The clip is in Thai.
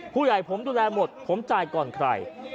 ผู้ใหญ่ผมดูแลหมดผมจ่ายก่อนใคร